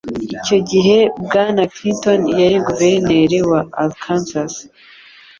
Icyo gihe Bwana Clinton yari guverineri wa Arkansas.